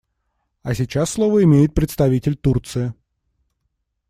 А сейчас слово имеет представитель Турции.